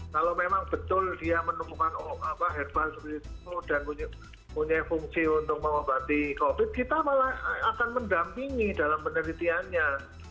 kalau memang betul dia menemukan herbal seperti itu dan punya fungsi untuk mengobati covid kita malah akan mendampingi dalam penelitiannya